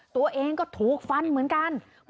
ตัวเองก็ถูกฟันเหมือนกัน